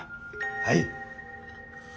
はい。